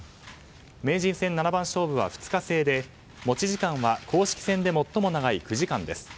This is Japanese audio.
名人戦七番勝負は２日制で持ち時間は公式戦で最も長い９時間です。